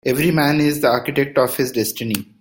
Every man is the architect of his destiny.